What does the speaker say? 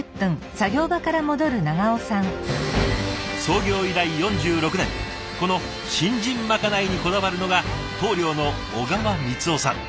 創業以来４６年この新人まかないにこだわるのが棟梁の小川三夫さん。